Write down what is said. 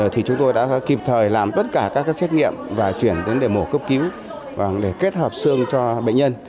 thì chúng tôi đã kịp thời làm tất cả các xét nghiệm và chuyển đến để mổ cấp cứu để kết hợp xương cho bệnh nhân